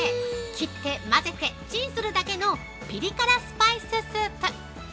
切って混ぜてチンするだけのピリ辛スパイススープ！